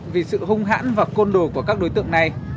vì sự hung hãn và côn đồ của các đối tượng này